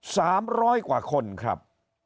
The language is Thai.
สามร้อยกว่าคนครับ